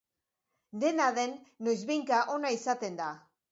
Dena den, noizbehinka ona izaten da.